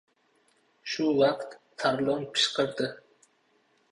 Shu vaqt, Tarlon pishqirdi.